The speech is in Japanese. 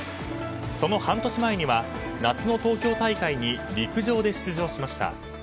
その半年前には、夏の東京大会に陸上で出場しました。